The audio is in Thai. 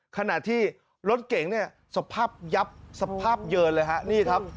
ขณะที่รถเก่งสภาพยับสภาพเยินเลยครับ